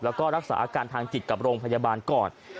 แล้วก็รักษาอาการทางจิตกับโรงพยาบาลก่อน